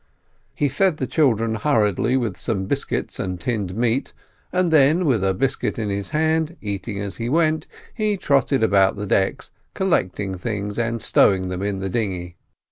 He fed the children hurriedly with some biscuits and tinned meat, and then, with a biscuit in his hand, eating as he went, he trotted about the decks, collecting things and stowing them in the dinghy.